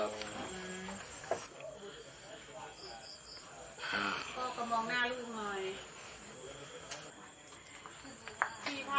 พี่พ่อออกมาแล้ว